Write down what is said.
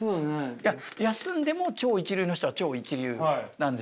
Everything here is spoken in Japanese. いや休んでも超一流の人は超一流なんですよ。